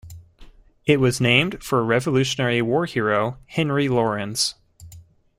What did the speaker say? It was named for Revolutionary War hero Henry Laurens.